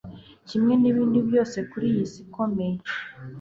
kimwe nibindi byose kuriyi si ikomeye